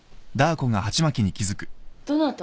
どなた？